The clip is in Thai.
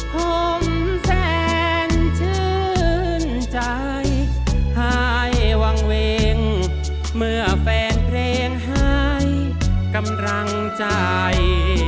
ผมแสนชื่นใจหายวางเวงเมื่อแฟนเพลงหายกำลังใจ